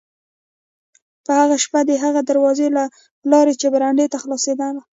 په هغه شپه د هغې دروازې له لارې چې برنډې ته خلاصېدله.